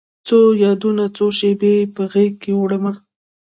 څو یادونه، څو شیبې په غیږکې وړمه